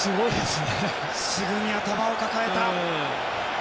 すぐに頭を抱えた。